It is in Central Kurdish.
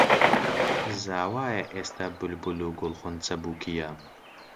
زاوایە ئێستە بولبول و گوڵخونچە بووکییە